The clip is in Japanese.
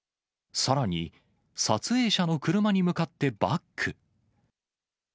さらに、撮影者の車に向かってバック。